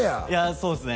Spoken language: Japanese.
そうっすね